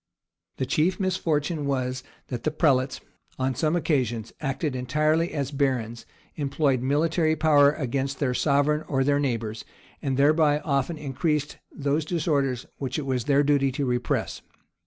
{1139.} The chief misfortune was, that the prelates, on some occasions, acted entirely as barons, employed military power against their sovereign or their neighbors, and thereby often increased those disorders which it was their duty to repress.